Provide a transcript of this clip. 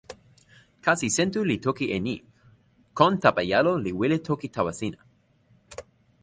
kasi Sentu li toki e ni: kon Tapajalo li wile toki tawa sina.